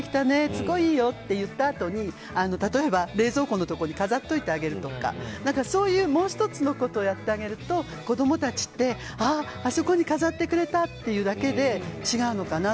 すごいいいよって言ったあとに例えば、冷蔵庫のところに飾っておいてあげるとかそういう、もう１つのことをやってあげると子供たちって、あそこに飾ってくれたっていうだけで違うのかな。